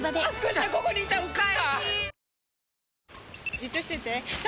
じっとしてて３！